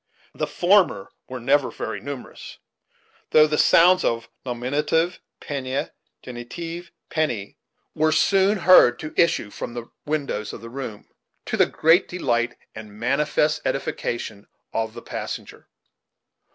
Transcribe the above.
The former were never very numerous; though the sounds of "nominative, pennaa genitive, penny," were soon heard to issue from the windows of the room, to the great delight and manifest edification of the passenger.